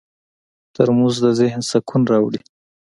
ترموز د ذهن سکون راوړي.